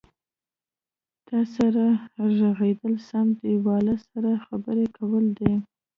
تا سره غږېدل سم دیواله سره خبرې کول دي.